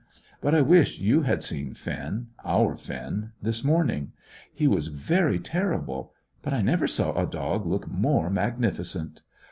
But I wish you had seen Finn our Finn this morning. He was very terrible, but I never saw a dog look more magnificent.